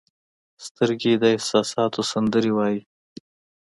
سترګې د احساسات سندره وایي